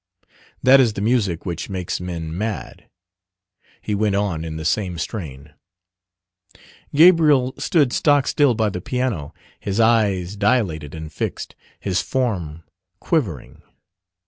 That is the music which makes men mad. He went on in the same strain. Gabriel stood stock still by the piano, his eyes dilated and fixed, his form quivering.